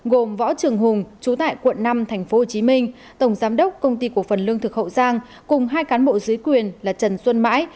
gồm võ trường hùng trú tại quận năm tp hcm tổng giám đốc công ty cổ phần lương thực hậu giang cùng hai cán bộ dưới quyền là trần xuân mãi